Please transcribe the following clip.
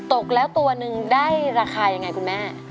ตกแล้วตัวนึงได้ราคายังไงคุณแม่